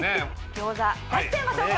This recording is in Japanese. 餃子出しちゃいましょうか！